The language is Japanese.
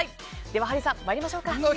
ではハリーさん、参りましょうか。